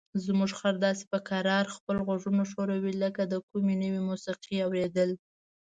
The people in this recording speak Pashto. زموږ خر داسې په کراره خپل غوږونه ښوروي لکه د کومې نوې موسیقۍ اوریدل.